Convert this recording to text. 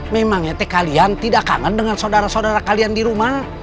memangnya teh kalian tidak kangen dengan sodara sodara kalian di rumah